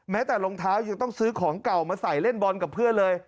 แต่รองเท้ายังต้องซื้อของเก่ามาใส่เล่นบอลกับเพื่อนเลย